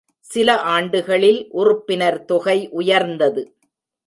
சில ஆண்டுகளில் உறுப்பினர் தொகை உயர்ந்தது.